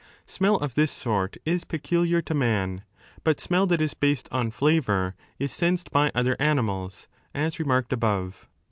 Smell of this sort is peculiar to man, but smell that is based on flavour is sensed by other animals,' as remarked above.